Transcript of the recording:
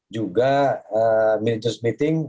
juga mini news meeting